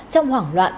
trong hoảng loạn